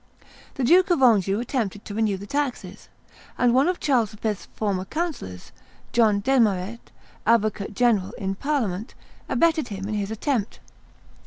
The Duke of Anjou attempted to renew the taxes, and one of Charles V.'s former councillors, John Desmarets, advocate general in parliament, abetted him in his attempt.